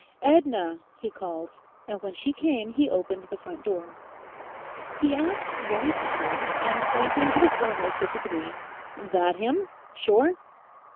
"Edna!" he called, and when she came he opened the front door. He asked very simply, and pointing to the foremost of the three, "That 'im?... Sure?"...